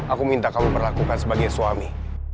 aku minta kamu berlakukan sebagai suami